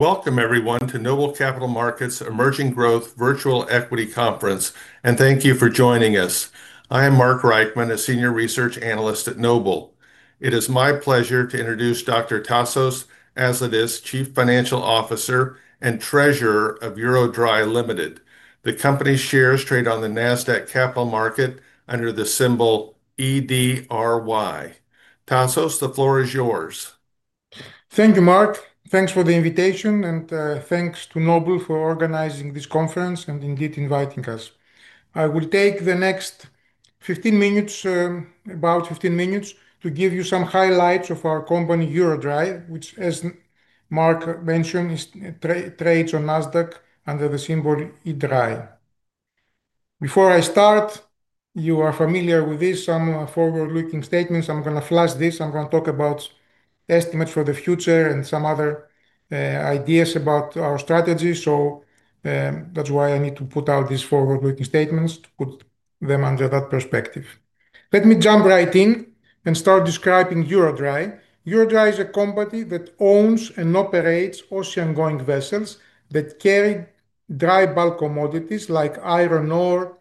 Welcome, everyone, to Noble Capital Markets' emerging growth virtual equity conference, and thank you for joining us. I am Mark Reichman, a Senior Research Analyst at Noble. It is my pleasure to introduce Dr. Tasos Aslidis, Chief Financial Officer and Treasurer of EuroDry Ltd. The company's shares trade on the Nasdaq Capital Market under the symbol EDRY. Tasos, the floor is yours. Thank you, Mark. Thanks for the invitation and thanks to Noble for organizing this conference and indeed inviting us. I will take the next 15 minutes, about 15 minutes, to give you some highlights of our company, EuroDry, which, as Mark mentioned, trades on Nasdaq under the symbol EDRY. Before I start, you are familiar with this, some forward-looking statements. I'm going to flash this. I'm going to talk about estimates for the future and some other ideas about our strategy. That's why I need to put out these forward-looking statements to put them under that perspective. Let me jump right in and start describing EuroDry. EuroDry EuroDry is a company that owns and operates ocean-going vessels that carry dry bulk commodities like iron ore,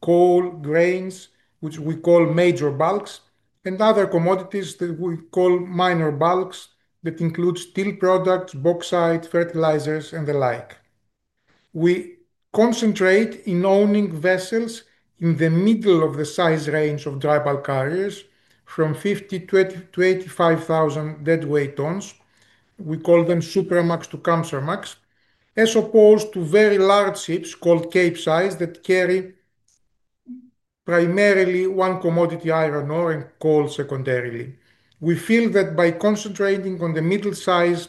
coal, grains, which we call major bulks, and other commodities that we call minor bulks that include steel products, bauxite, fertilizers, and the like. We concentrate in owning vessels in the middle of the size range of dry bulk carriers from 50,000-85,000 deadweight tons. We call them Supramax to Kamsarmax, as opposed to very large ships called Capesize that carry primarily one commodity, iron ore, and coal secondarily. We feel that by concentrating on the middle size,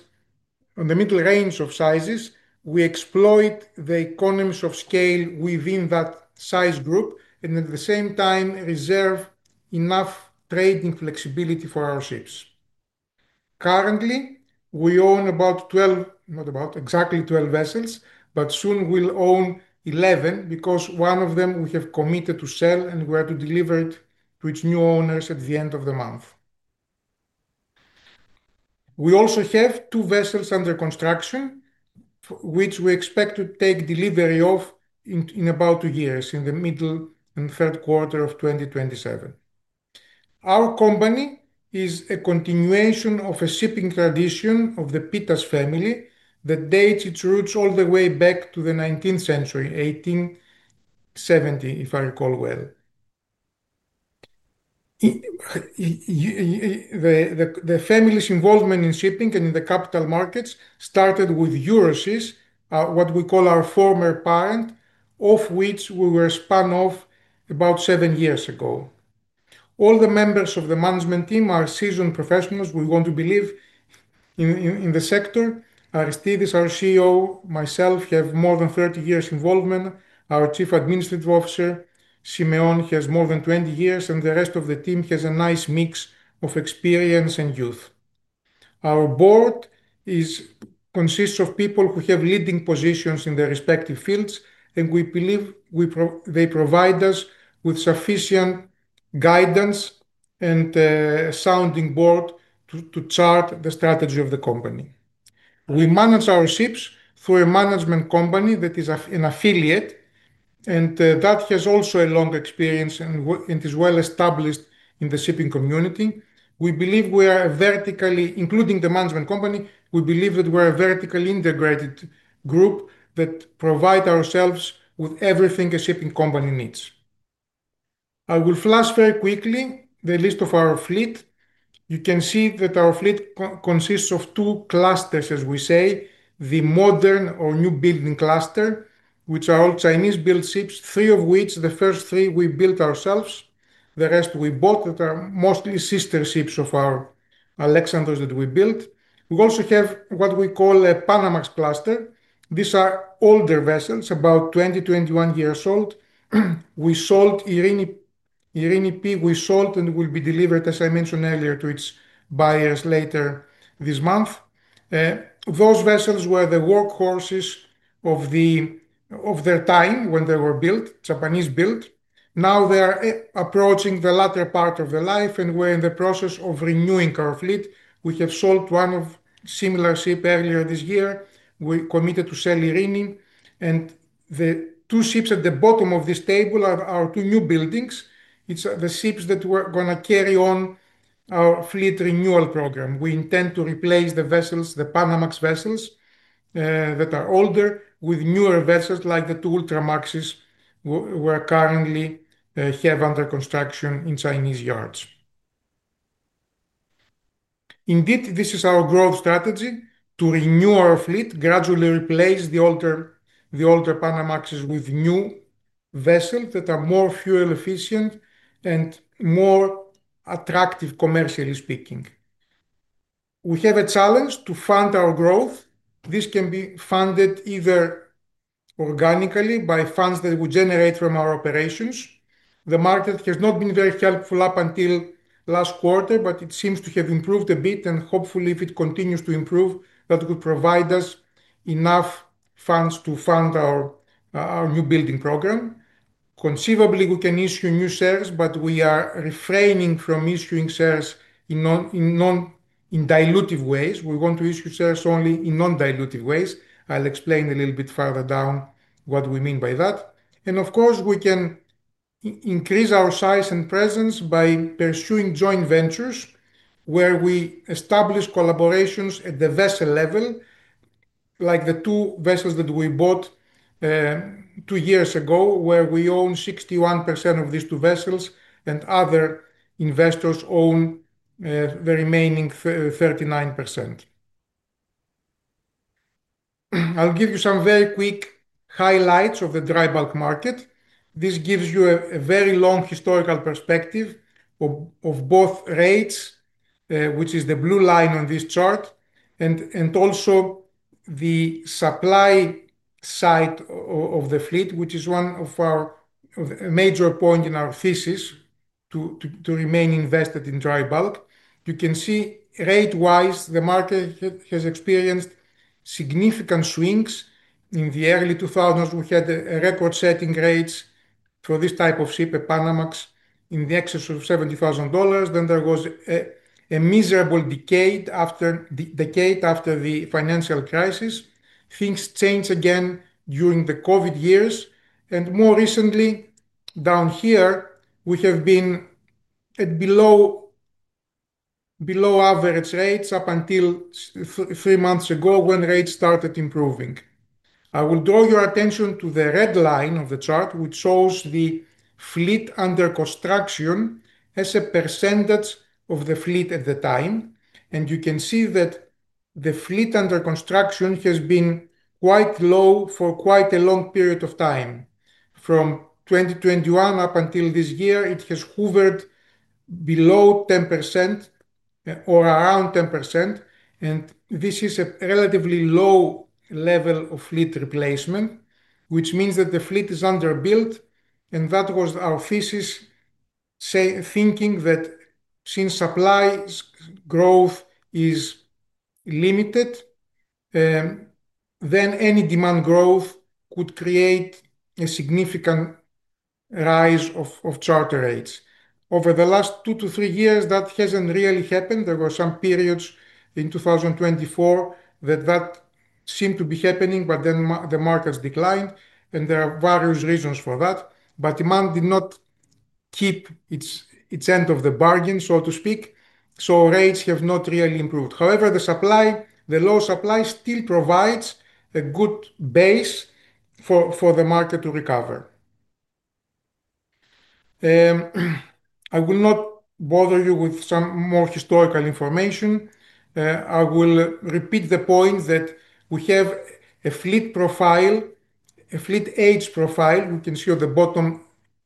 on the middle range of sizes, we exploit the economies of scale within that size group and at the same time reserve enough trading flexibility for our ships. Currently, we own exactly 12 vessels, but soon we'll own 11 because one of them we have committed to sell and we are to deliver it to its new owners at the end of the month. We also have two vessels under construction, which we expect to take delivery of in about two years, in the middle and third quarter of 2027. Our company is a continuation of a shipping tradition of the Pittas family that dates its roots all the way back to the 19th century, 1870, if I recall well. The family's involvement in shipping and in the capital markets started with Euroseas, what we call our former parent, of which we were spun off about seven years ago. All the members of the management team are seasoned professionals. We want to believe in the sector. Aristides, our CEO, and myself have more than 30 years involvement. Our Chief Administrative Officer, Symeon, has more than 20 years, and the rest of the team has a nice mix of experience and youth. Our board consists of people who have leading positions in their respective fields, and we believe they provide us with sufficient guidance and a sounding board to chart the strategy of the company. We manage our ships through a management company that is an affiliate, and that has also a long experience and is well established in the shipping community. We believe we are a vertically, including the management company, we believe that we're a vertically integrated group that provides ourselves with everything a shipping company needs. I will flash very quickly the list of our fleet. You can see that our fleet consists of two clusters, as we say, the modern or new building cluster, which are all Chinese-built ships, three of which, the first three, we built ourselves. The rest we bought. Those are mostly sister ships of our Alexandros that we built. We also have what we call a Panamax cluster. These are older vessels, about 20-21 years old. We sold Eirini P. We sold and will be delivered, as I mentioned earlier, to its buyers later this month. Those vessels were the workhorses of their time when they were built, Japanese-built. Now they are approaching the latter part of their life, and we're in the process of renewing our fleet. We have sold one of similar ships earlier this year. We committed to sell Eirini. The two ships at the bottom of this table are our two newbuildings. It's the ships that we're going to carry on our fleet renewal program. We intend to replace the vessels, the Panamax vessels that are older, with newer vessels like the two Ultramax we currently have under construction in Chinese yards. Indeed, this is our growth strategy, to renew our fleet, gradually replace the older Panamaxes with new vessels that are more fuel-efficient and more attractive, commercially speaking. We have a challenge to fund our growth. This can be funded either organically by funds that we generate from our operations. The market has not been very helpful up until last quarter, but it seems to have improved a bit, and hopefully, if it continues to improve, that would provide us enough funds to fund our newbuilding program. Conceivably, we can issue new shares, but we are refraining from issuing shares in non-dilutive ways. We want to issue shares only in non-dilutive ways. I'll explain a little bit further down what we mean by that. Of course, we can increase our size and presence by pursuing joint ventures where we establish collaborations at the vessel level, like the two vessels that we bought two years ago, where we own 61% of these two vessels and other investors own the remaining 39%. I'll give you some very quick highlights of the dry bulk market. This gives you a very long historical perspective of both rates, which is the blue line on this chart, and also the supply side of the fleet, which is one of our major points in our thesis to remain invested in dry bulk. You can see rate-wise, the market has experienced significant swings. In the early 2000s, we had record-setting rates for this type of ship, a Panamax, in the excess of $70,000. There was a miserable decade after the financial crisis. Things changed again during the COVID years. More recently, down here, we have been at below average rates up until three months ago when rates started improving. I will draw your attention to the red line of the chart, which shows the fleet under construction as a percentage of the fleet at the time. You can see that the fleet under construction has been quite low for quite a long period of time. From 2021 up until this year, it has hovered below 10% or around 10%. This is a relatively low level of fleet replacement, which means that the fleet is underbuilt. That was our thesis, thinking that since supply growth is limited, any demand growth would create a significant rise of charter rates. Over the last two to three years, that hasn't really happened. There were some periods in 2024 that seemed to be happening, but the markets declined. There are various reasons for that. Demand did not keep its end of the bargain, so to speak. Rates have not really improved. However, the low supply still provides a good base for the market to recover. I will not bother you with some more historical information. I will repeat the point that we have a fleet profile, a fleet age profile, you can see at the bottom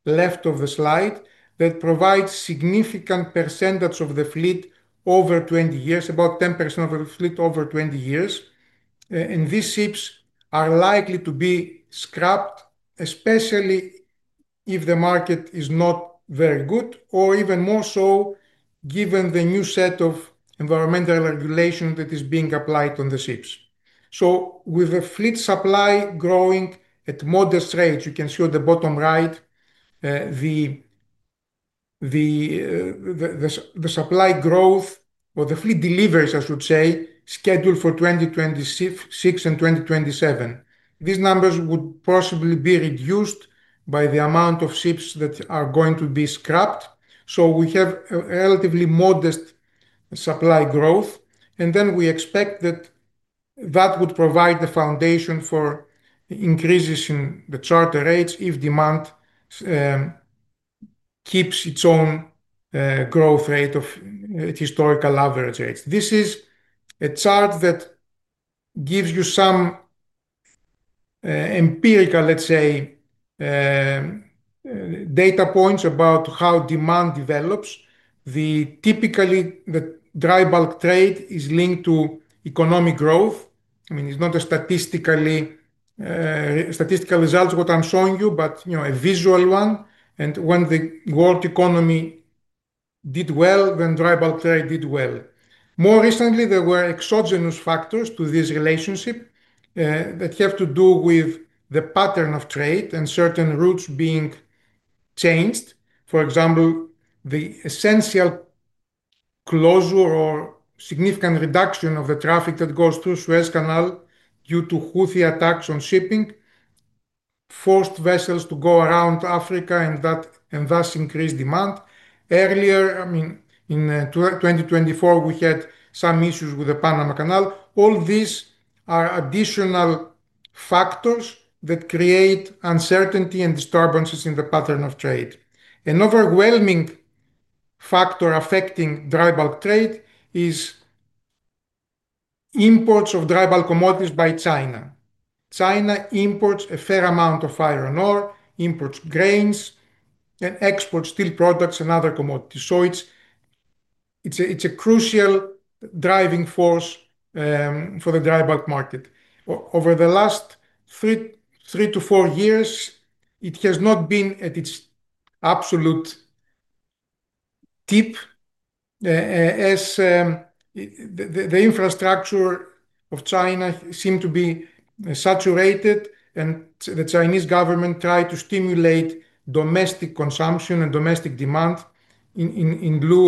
left of the slide, that provides a significant percentage of the fleet over 20 years, about 10% of the fleet over 20 years. These ships are likely to be scrapped, especially if the market is not very good, or even more so, given the new set of environmental regulations that is being applied on the ships. With a fleet supply growing at modest rates, you can see at the bottom right, the supply growth or the fleet deliveries, I should say, scheduled for 2026 and 2027. These numbers would possibly be reduced by the amount of ships that are going to be scrapped. We have a relatively modest supply growth. We expect that would provide the foundation for increases in the charter rates if demand keeps its own growth rate of historical average rates. This is a chart that gives you some empirical, let's say, data points about how demand develops. Typically, the dry bulk trade is linked to economic growth. I mean, it's not a statistical result, what I'm showing you, but a visual one. When the world economy did well, then dry bulk trade did well. More recently, there were exogenous factors to this relationship that have to do with the pattern of trade and certain routes being changed. For example, the essential closure or significant reduction of the traffic that goes through Suez Canal due to Houthi attacks on shipping forced vessels to go around Africa and thus increase demand. Earlier, in 2024, we had some issues with the Panama Canal. All these are additional factors that create uncertainty and disturbances in the pattern of trade. An overwhelming factor affecting dry bulk trade is imports of dry bulk commodities by China. China imports a fair amount of iron ore, imports grains, and exports steel products and other commodities. It's a crucial driving force for the dry bulk market. Over the last three to four years, it has not been at its absolute tip, as the infrastructure of China seemed to be saturated, and the Chinese government tried to stimulate domestic consumption and domestic demand in lieu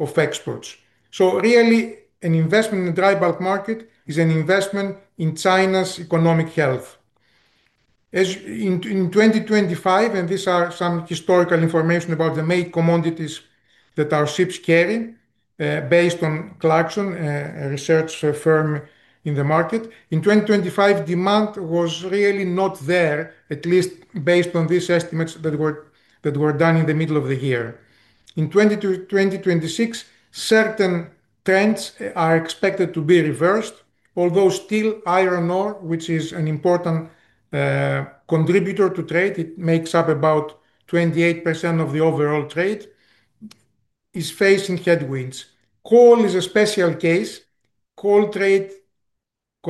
of exports. Really, an investment in the dry bulk market is an investment in China's economic health. In 2025, and these are some historical information about the main commodities that our ships carry, based on Clarkson, a research firm in the market, in 2025, demand was really not there, at least based on these estimates that were done in the middle of the year. In 2026, certain trends are expected to be reversed, although still iron ore, which is an important contributor to trade, it makes up about 28% of the overall trade, is facing headwinds. Coal is a special case. Coal trade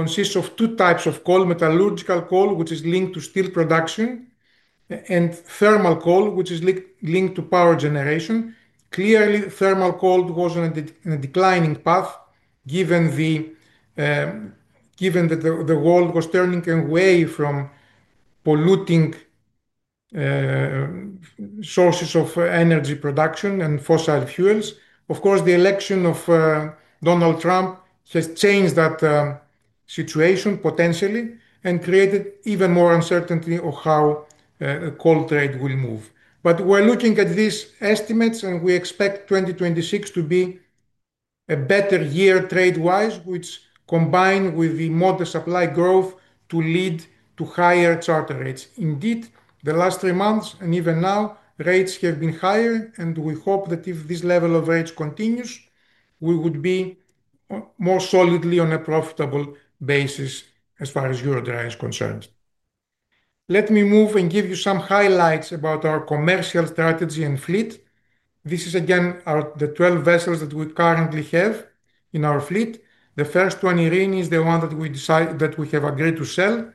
consists of two types of coal, metallurgical coal, which is linked to steel production, and thermal coal, which is linked to power generation. Clearly, thermal coal was on a declining path, given that the world was turning away from polluting sources of energy production and fossil fuels. Of course, the election of Donald Trump has changed that situation, potentially, and created even more uncertainty of how the coal trade will move. We're looking at these estimates, and we expect 2026 to be a better year trade-wise, which, combined with the modest supply growth, will lead to higher charter rates. Indeed, the last three months, and even now, rates have been higher, and we hope that if this level of rates continues, we would be more solidly on a profitable basis as far as EuroDry. is concerned. Let me move and give you some highlights about our commercial strategy and fleet. This is, again, the 12 vessels that we currently have in our fleet. The first one, Eirini, is the one that we have agreed to sell.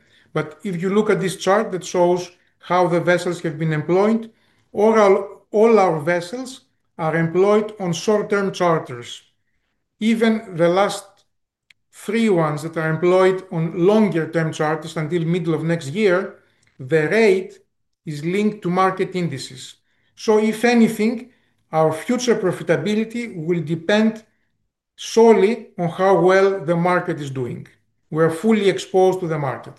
If you look at this chart that shows how the vessels have been employed, all our vessels are employed on short-term charters. Even the last three ones that are employed on longer-term charters until the middle of next year, the rate is linked to market indices. If anything, our future profitability will depend solely on how well the market is doing. We're fully exposed to the market.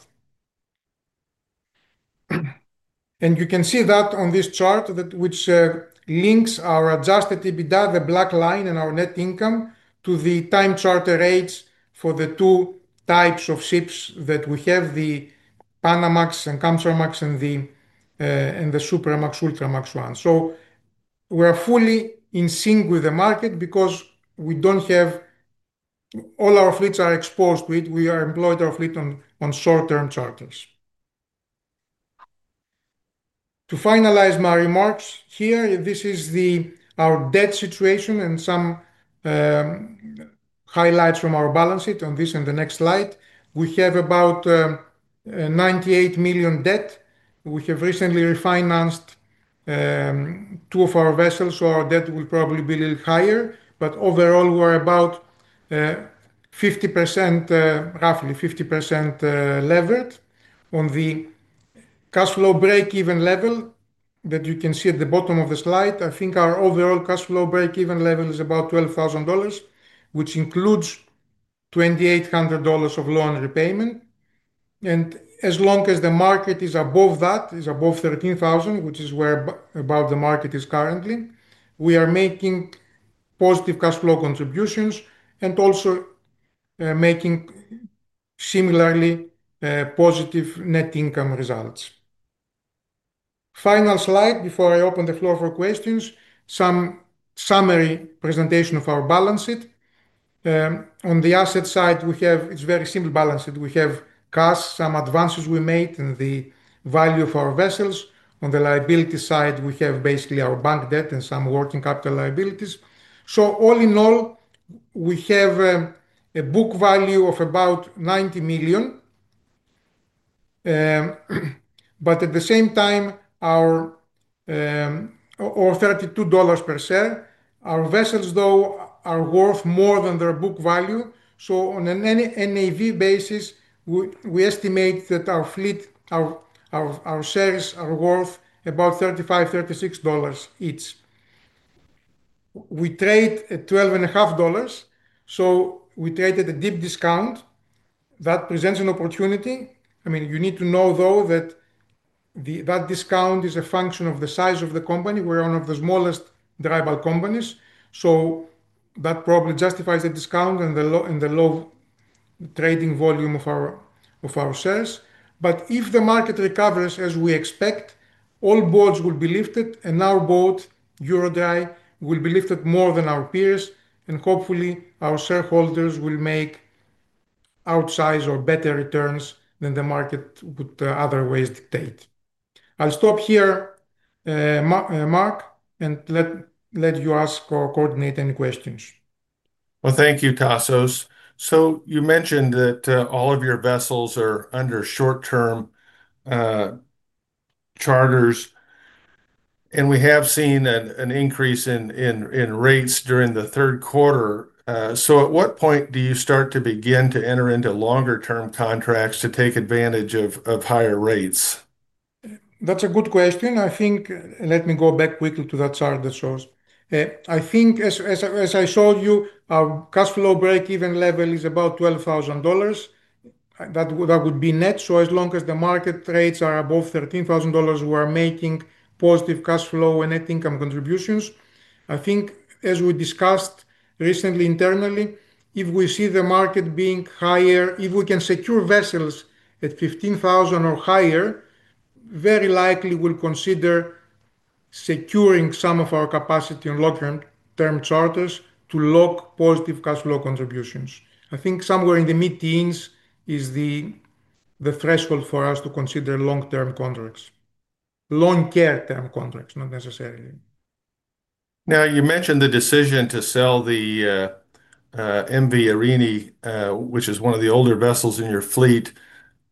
You can see that on this chart, which links our adjusted EBITDA, the black line, and our net income to the time charter rates for the two types of ships that we have, the Panamax and Kamsarmax, and the Supramax Ultramax one. We're fully in sync with the market because all our fleet is exposed to it. We have employed our fleet on short-term charters. To finalize my remarks here, this is our debt situation and some highlights from our balance sheet on this and the next slide. We have about $98 million debt. We have recently refinanced two of our vessels, so our debt will probably be a little higher. Overall, we're about 50%, roughly 50% levered on the cash flow break-even level that you can see at the bottom of the slide. I think our overall cash flow break-even level is about $12,000, which includes $2,800 of loan repayment. As long as the market is above that, it's above $13,000, which is where about the market is currently, we are making positive cash flow contributions and also making similarly positive net income results. Final slide before I open the floor for questions, some summary presentation of our balance sheet. On the asset side, we have, it's a very simple balance sheet. We have cash, some advances we made in the value of our vessels. On the liability side, we have basically our bank debt and some working capital liabilities. All in all, we have a book value of about $90 million. At the same time, our $32 per share, our vessels, though, are worth more than their book value. On a net asset value (NAV) basis, we estimate that our fleet, our shares are worth about $35, $36 each. We trade at $12.5. We trade at a deep discount. That presents an opportunity. You need to know, though, that that discount is a function of the size of the company. We're one of the smallest dry bulk companies. That probably justifies the discount and the low trading volume of our shares. If the market recovers, as we expect, all boards will be lifted, and our boat, EuroDry, will be lifted more than our peers. Hopefully, our shareholders will make outsized or better returns than the market would otherwise dictate. I'll stop here, Mark, and let you ask or coordinate any questions. Thank you, Tasos. You mentioned that all of your vessels are under short-term charters, and we have seen an increase in rates during the third quarter. At what point do you start to begin to enter into longer-term contracts to take advantage of higher rates? That's a good question. I think, and let me go back quickly to that chart that shows. I think, as I showed you, our cash flow break-even level is about $12,000. That would be net. As long as the market rates are above $13,000, we are making positive cash flow and net income contributions. I think, as we discussed recently internally, if we see the market being higher, if we can secure vessels at $15,000 or higher, very likely we'll consider securing some of our capacity on long-term charters to lock positive cash flow contributions. I think somewhere in the mid-teens is the threshold for us to consider long-term contracts. Long-term contracts, not necessarily. Now, you mentioned the decision to sell the Eirini, which is one of the older vessels in your fleet,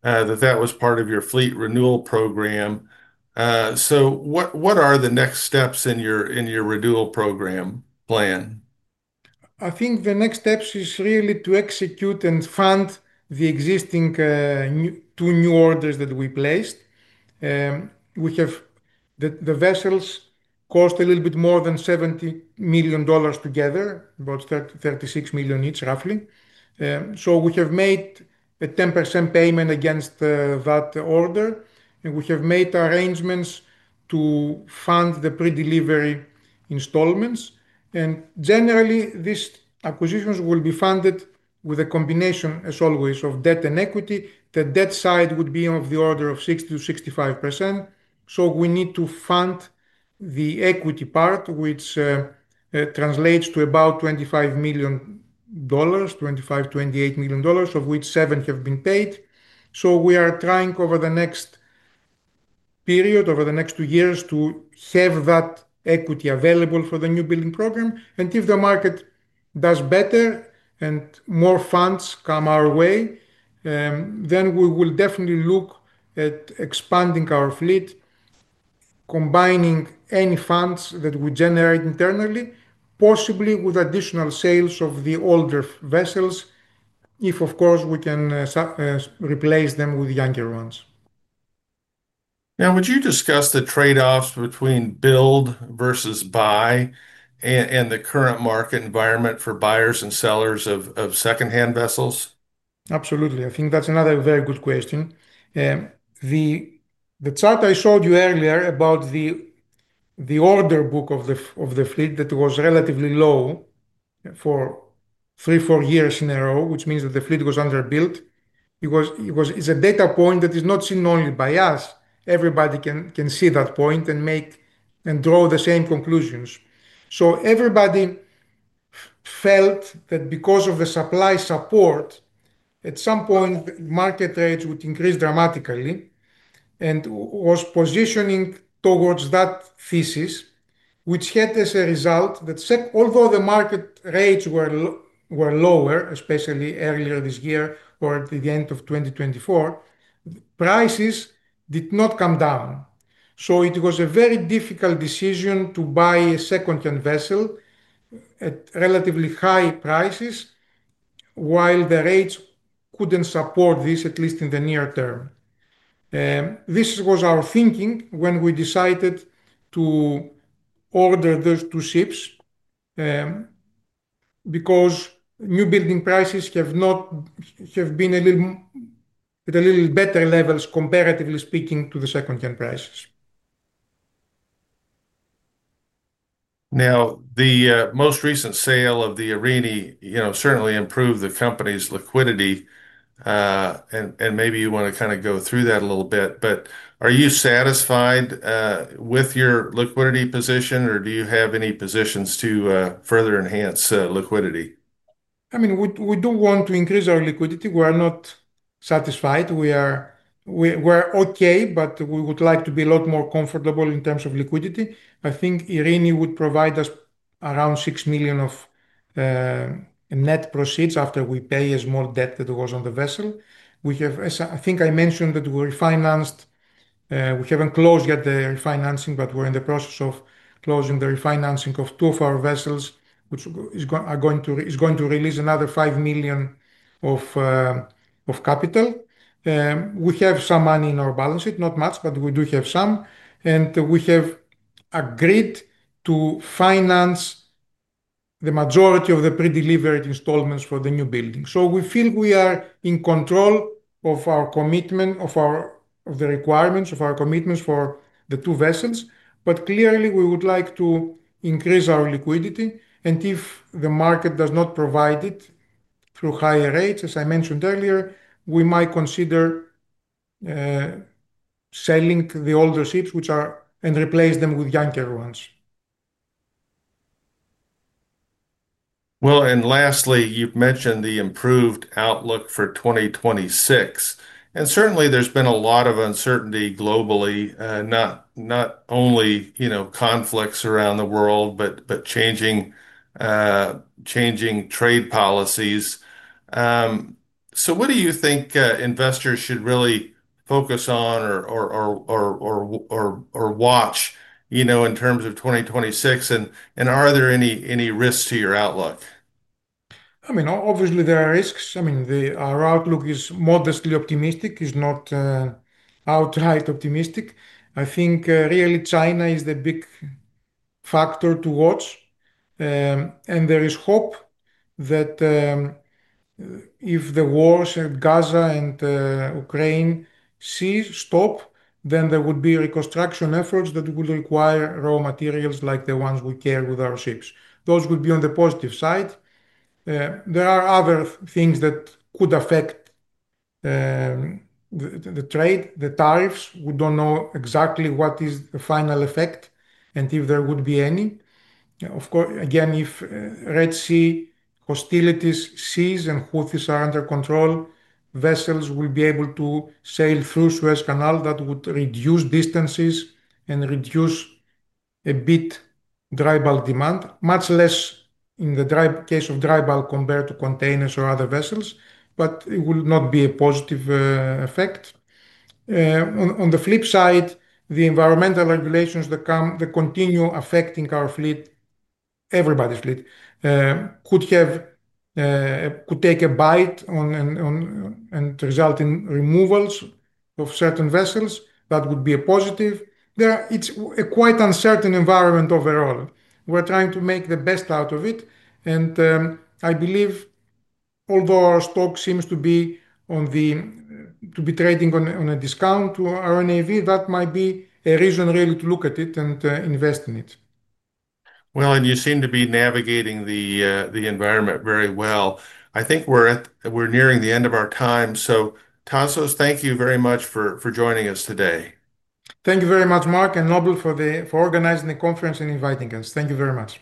that was part of your fleet renewal program. What are the next steps in your renewal program plan? I think the next step is really to execute and fund the existing two new orders that we placed. We have the vessels cost a little bit more than $70 million together, about $36 million each, roughly. We have made a 10% payment against that order. We have made arrangements to fund the pre-delivery installments. Generally, these acquisitions will be funded with a combination, as always, of debt and equity. The debt side would be of the order of 60%-65%. We need to fund the equity part, which translates to about $25 million, $25 million, $28 million, of which $7 million have been paid. We are trying over the next period, over the next two years, to save that equity available for the new building program. If the market does better and more funds come our way, we will definitely look at expanding our fleet, combining any funds that we generate internally, possibly with additional sales of the older vessels, if, of course, we can replace them with younger ones. Now, would you discuss the trade-offs between build versus buy and the current market environment for buyers and sellers of second-hand vessels? Absolutely. I think that's another very good question. The chart I showed you earlier about the order book of the fleet that was relatively low for three, four years in a row, which means that the fleet was underbuilt, is a data point that is not seen only by us. Everybody can see that point and draw the same conclusions. Everybody felt that because of the supply support, at some point, market rates would increase dramatically and was positioning towards that thesis, which had as a result that although the market rates were lower, especially earlier this year or at the end of 2024, prices did not come down. It was a very difficult decision to buy a second-hand vessel at relatively high prices while the rates couldn't support this, at least in the near term. This was our thinking when we decided to order those two ships because new building prices have not been at a little better levels, comparatively speaking, to the second-hand prices. Now, the most recent sale of the Eirini certainly improved the company's liquidity. Maybe you want to kind of go through that a little bit. Are you satisfied with your liquidity position, or do you have any positions to further enhance liquidity? I mean, we do want to increase our liquidity. We are not satisfied. We're OK, but we would like to be a lot more comfortable in terms of liquidity. I think Eirini would provide us around $6 million of net proceeds after we pay a small debt that was on the vessel. I think I mentioned that we refinanced. We haven't closed yet the refinancing, but we're in the process of closing the refinancing of two of our vessels, which is going to release another $5 million of capital. We have some money in our balance sheet, not much, but we do have some. We have agreed to finance the majority of the pre-delivered installments for the newbuild. We feel we are in control of our commitment, of the requirements of our commitments for the two vessels. Clearly, we would like to increase our liquidity. If the market does not provide it through higher rates, as I mentioned earlier, we might consider selling the older ships, which are, and replace them with younger ones. You've mentioned the improved outlook for 2026. Certainly, there's been a lot of uncertainty globally, not only conflicts around the world, but changing trade policies. What do you think investors should really focus on or watch in terms of 2026? Are there any risks to your outlook? Obviously, there are risks. Our outlook is modestly optimistic. It's not outright optimistic. I think really China is the big factor to watch. There is hope that if the wars in Gaza and Ukraine stop, then there would be reconstruction efforts that would require raw materials like the ones we carry with our ships. Those would be on the positive side. There are other things that could affect the trade, the tariffs. We don't know exactly what is the final effect and if there would be any. Of course, if Red Sea hostilities cease and Houthis are under control, vessels will be able to sail through Suez Canal. That would reduce distances and reduce a bit dry bulk demand, much less in the case of dry bulk compared to containers or other vessels. It will not be a positive effect. On the flip side, the environmental regulations that continue affecting our fleet, everybody's fleet, could take a bite and result in removals of certain vessels. That would be a positive. It's a quite uncertain environment overall. We're trying to make the best out of it. I believe, although our stock seems to be trading on a discount to our NAV, that might be a reason really to look at it and invest in it. You seem to be navigating the environment very well. I think we're nearing the end of our time. Tasos, thank you very much for joining us today. Thank you very much, Mark and Noble, for organizing the conference and inviting us. Thank you very much.